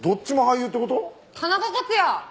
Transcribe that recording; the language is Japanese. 田中克也！